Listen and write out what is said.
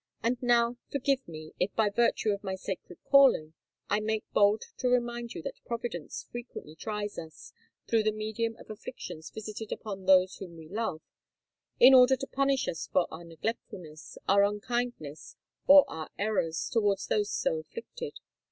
"And now, forgive me, if—by virtue of my sacred calling—I make bold to remind you that Providence frequently tries us, through the medium of afflictions visited upon those whom we love, in order to punish us for our neglectfulness, our unkindness, or our errors, towards those so afflicted.